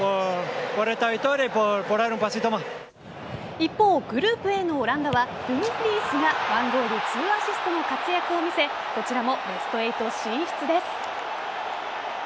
一方、グループＡのオランダはドゥムフリースが１ゴール２アシストの活躍を見せこちらもベスト８進出です。